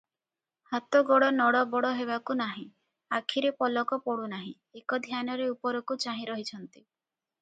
ହାତ ଗୋଡ଼ ନଡ଼ ବଡ଼ ହେବାକୁ ନାହିଁ, ଆଖିରେ ପଲକ ପଡୁ ନାହିଁ, ଏକଧ୍ୟାନରେ ଉପରକୁ ଚାହିଁରହିଛନ୍ତି ।